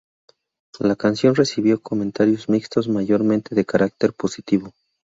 La canción recibió comentarios mixtos, mayormente de carácter positivo.